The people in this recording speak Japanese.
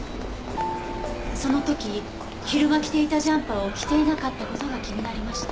その時昼間着ていたジャンパーを着ていなかった事が気になりました。